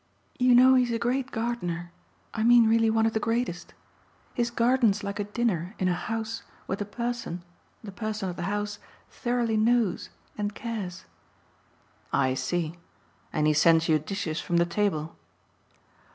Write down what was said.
"You know he's a great gardener I mean really one of the greatest. His garden's like a dinner in a house where the person the person of the house thoroughly knows and cares." "I see. And he sends you dishes from the table."